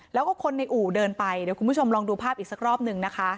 แล้วก็คนในอู่เดินไปเดี๋ยวคุณผู้ชมลองดูภาพอีกสักรอบนึงนะคะ